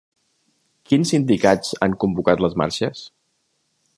Quins sindicats han convocat les marxes?